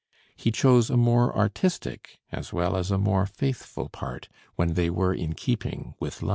He chose a more artistic as well as a more faithful part when they were in keeping with life.